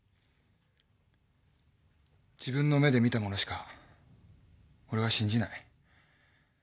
自分の目で見たものしか俺は信じない。